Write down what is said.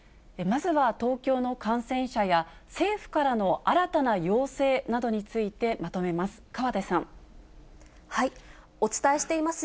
まずは東京の感染者や、政府からの新たな要請などについてまとめます。